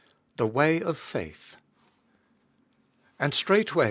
THE WAY OF FAITH And Btralgiitwaj.